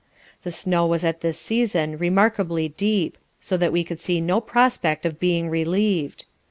The snow was at this season remarkably deep; so that we could see no prospect of being relieved.